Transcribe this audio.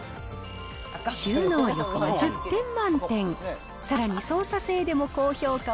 収納力は１０点満点。